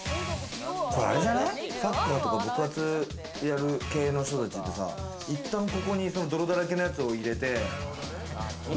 サッカーとか部活やる系の人たちってさ、いったんここに泥だらけのやつを入れて。